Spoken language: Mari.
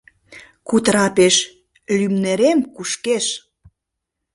Кутыра пеш: «Лӱмнерем кушкеш».